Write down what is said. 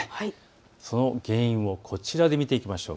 その原因をこちらで見ていきましょう。